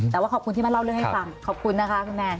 แต่ว่าขอบคุณที่มาเล่าเรื่องให้ฟังขอบคุณนะคะคุณแมน